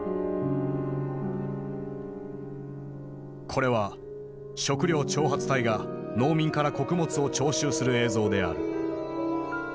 これは食糧徴発隊が農民から穀物を徴収する映像である。